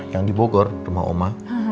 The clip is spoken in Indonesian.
yang di bogor rumah oma